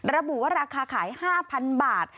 ระบุว่าราคาขาย๕๐๐๐บาท